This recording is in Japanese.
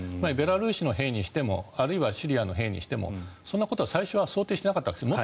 ベラルーシの兵にしてもあるいはシリアの兵にしてもそんなことは最初は想定してなかったんです。